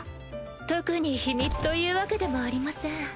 特に秘密というわけでもありません。